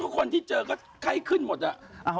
ทุกคนที่เจอก็ไข้ขึ้นหมดอะ